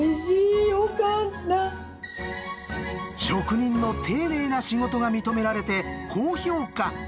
職人の丁寧な仕事が認められて高評価。